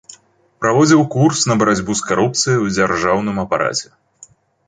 Праводзіў курс на барацьбу з карупцыяй у дзяржаўным апараце.